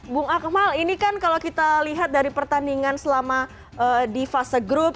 bung akmal ini kan kalau kita lihat dari pertandingan selama di fase grup